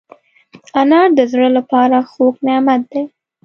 انار د زړه له پاره خوږ نعمت دی.